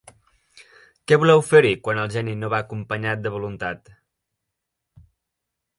¿què voleu fer-hi quan el geni no va acompanyat de voluntat?